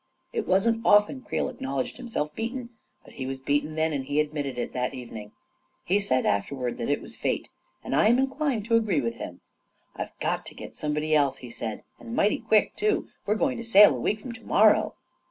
It wasn't often Creel acknowledged himself beaten; but he was beaten then, and he admitted it that evening. He said afterwards that it was Fate — and I am in dined to agree with him ! "Tve got to get somebody else," he said, 4t and mighty quick, too. We're going to sail a week from to morrow."